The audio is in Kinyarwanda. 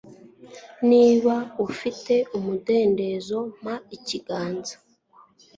Niba ufite umudendezo mpa ikiganza